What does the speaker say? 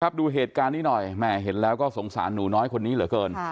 ดูเหตุการณ์นี้หน่อยแม่เห็นแล้วก็สงสารหนูน้อยคนนี้เหลือเกิน